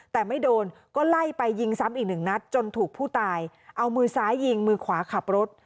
แต่ไม่โดนก็ไล่ไปยิงซ้ำอีกหนึ่งนัดจนถูกผู้ตายเอามือซ้ายยิงมือขวาขับรถ